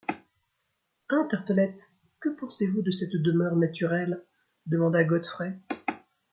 Hein, Tartelett, que pensez-vous de cette demeure naturelle ? demanda Godfrey.